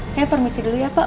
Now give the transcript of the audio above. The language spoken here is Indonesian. saya permisi dulu ya pak